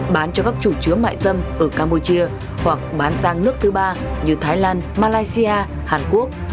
bán cho các chủ chứa mại dâm ở campuchia hoặc bán sang nước thứ ba như thái lan malaysia hàn quốc